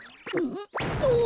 うん？